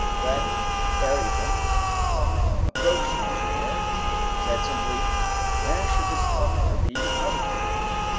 Then Ayrton, approaching the engineer, said simply, "Where should this coffer be deposited?"